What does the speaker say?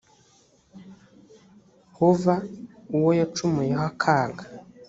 hova uwo yacumuyeho akanga